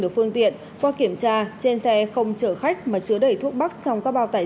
được phương tiện qua kiểm tra trên xe không chở khách mà chứa đẩy thuốc bắt trong các bào tải